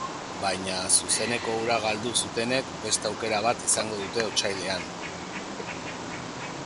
Baina, zuzeneko hura galdu zutenek beste aukera bat izango dute otsailean.